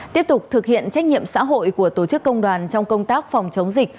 tiếp tục thực hiện trách nhiệm xã hội của tổ chức công đoàn trong công tác phòng chống dịch